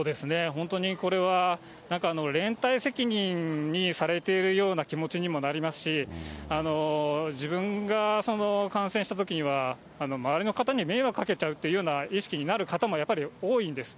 本当にこれはなんか連帯責任にされているような気持にもなりますし、自分が感染したときには、周りの方に迷惑かけちゃうというような意識になる方もやっぱり多いんです。